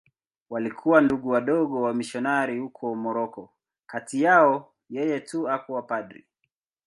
Walikuwa Ndugu Wadogo wamisionari huko Moroko.Kati yao yeye tu hakuwa padri.